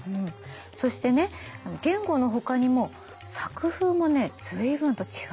そしてね言語のほかにも作風もね随分と違っているの。